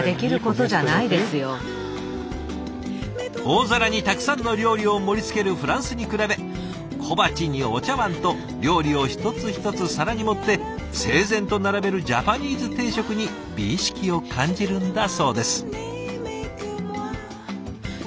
大皿にたくさんの料理を盛りつけるフランスに比べ小鉢にお茶わんと料理を一つ一つ皿に盛って整然と並べるジャパニーズ定食に美意識を感じるんだそうです。